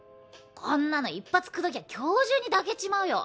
こんなの一発口説きゃ今日中に抱けちまうよ。